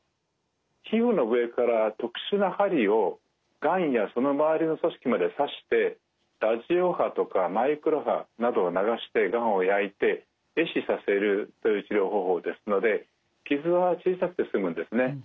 皮膚の上から特殊な針をがんやその周りの組織まで刺してラジオ波とかマイクロ波などを流してがんを焼いて壊死させるという治療方法ですので傷は小さくて済むんですね。